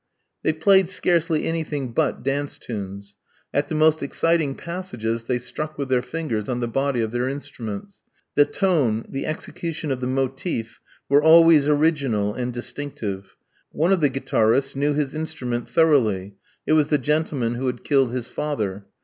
They played scarcely anything but dance tunes. At the most exciting passages they struck with their fingers on the body of their instruments. The tone, the execution of the motive, were always original and distinctive. One of the guitarists knew his instrument thoroughly. It was the gentleman who had killed his father.